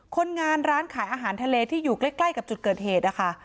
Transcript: คนงานร้านขายอาหารทะเลที่อยู่ใกล้กับจุดเกิดเหตุนะคะ